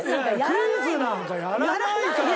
クイズなんかやらないもん。